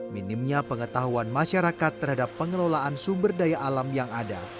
minimnya pengetahuan masyarakat terhadap pengelolaan sumber daya alam yang ada